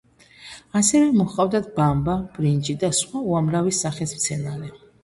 ასევე მოჰყავდათ ბამბა, ბრინჯი და სხვა უამრავი სახის მცენარე.